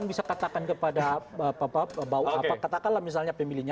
bisa katakan kepada bahwa katakanlah misalnya pemilihnya